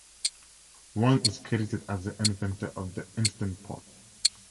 Wang is credited as the inventor of the Instant Pot.